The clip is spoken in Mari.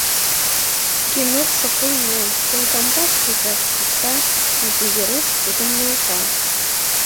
Генокшо кылмен, коҥгамбак кӱзаш тӧча, изи Веруш тудым нӧлта.